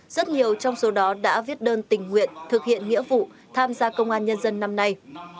rất nhiều trong số đó đã viết đơn tình nguyện thực hiện nghĩa vụ tham gia công an nhân dân năm nay